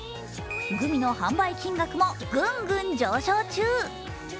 グミの販売金額もぐんぐん上昇中。